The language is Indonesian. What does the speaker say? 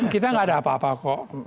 kita gak ada apa apa kok